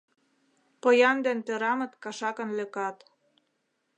Поян ден тӧрамыт кашакын лӧкат.